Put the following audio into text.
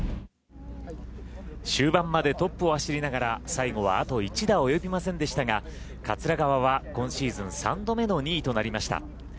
終盤までトップを走りながら最後はあと１打及びませんでしたが桂川は今シーズン三度目の２位となりました。